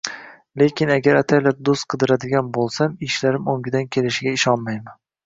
Lekin agar ataylab do‘st qidiradigan bo‘lsam, ishlarim o‘ngidan kelishiga ishonmayman